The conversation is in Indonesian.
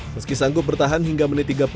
meski sanggup bertahan hingga menit tiga puluh